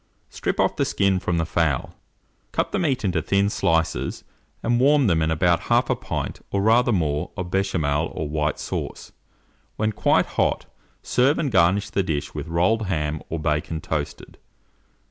Strip off the skin from the fowl; cut the meat into thin slices, and warm them in about 1/2 pint, or rather more, of Béchamel, or white sauce. When quite hot, serve, and garnish the dish with rolled ham or bacon toasted.